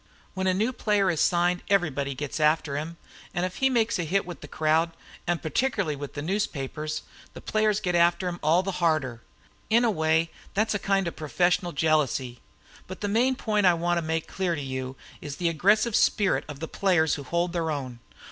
When a new player is signed everybody gets after him, and if he makes a hit with the crowd, and particularly with the newspapers, the players get after him all the harder. In a way, that's a kind of professional jealousy. But the main point I want to make clear to you is the aggressive spirit of the players who hold their own.